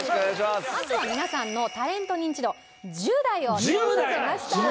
まずは皆さんのタレントニンチド１０代を調査しました。